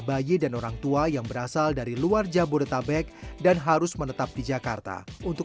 bayi dan orang tua yang berasal dari luar jabodetabek dan harus menetap di jakarta untuk